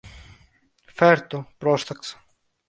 Φερ' το, πρόσταξε.